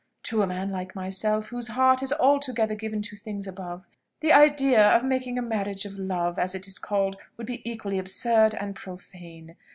To a man like myself, whose heart is altogether given to things above, the idea of making a marriage of love, as it is called, would be equally absurd and profane.